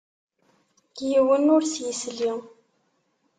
Yiwen ur s-yesli.